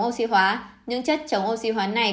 oxy hóa những chất chống oxy hóa này